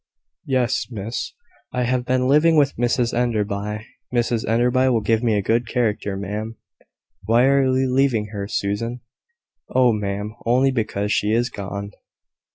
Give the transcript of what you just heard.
"Yes, miss, I have been living with Mrs Enderby. Mrs Enderby will give me a good character, ma'am." "Why are you leaving her, Susan?" "Oh, ma'am, only because she is gone."